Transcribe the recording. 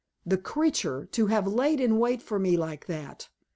The creature, to have lain in wait for me like that!